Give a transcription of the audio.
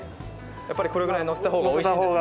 やっぱりこれぐらいのせた方がおいしいですね。